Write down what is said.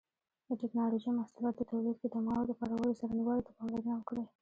د ټېکنالوجۍ محصولاتو تولید کې د موادو کارولو څرنګوالي ته پاملرنه وکړئ.